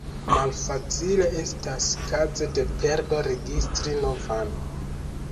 Malfacile estas kaze de perdo registri novan.